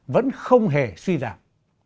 vẫn không hề suy giảm